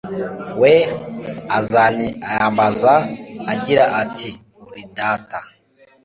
we azanyiyambaza, agira ati uri data